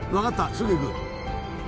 すぐ行く。